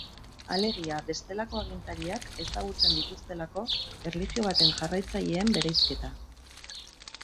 Alegia, bestelako agintariak ezagutzen dituztelako, erlijio baten jarraitzaileen bereizketa.